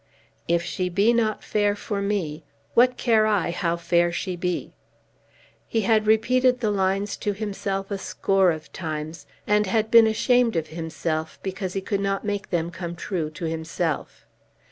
"If she be not fair for me, what care I how fair she be!" He had repeated the lines to himself a score of times, and had been ashamed of himself because he could not make them come true to himself.